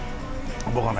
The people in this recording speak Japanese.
僕はね